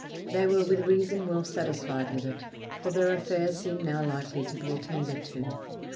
They were with reason well satisfied with it, for their affairs seemed now likely to be attended to.